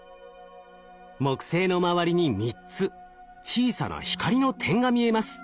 木星の周りに３つ小さな光の点が見えます。